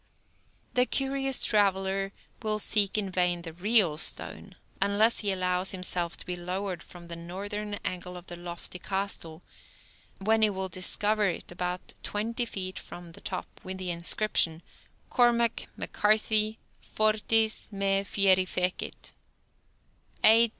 The curious traveler will seek in vain the real stone, unless he allows himself to be lowered from the northern angle of the lofty castle, when he will discover it about twenty feet from the top, with the inscription, "_Cormac MacCarthy fortis me fierifecit, A.